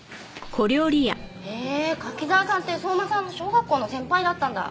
へえ柿沢さんって相馬さんの小学校の先輩だったんだ。